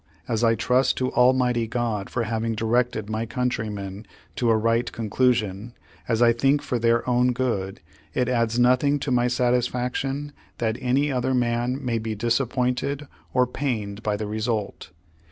X, p. 140. Page One Hiindred seventy two as I trust to Almighty God for having directed my coun trymen to a right conclusion, as I think for their own good, it adds nothing to my satisfaction that any other man may be disappointed or paine:! by the result.